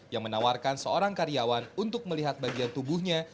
yang menawarkan seorang karyawan untuk melihat bagian tubuhnya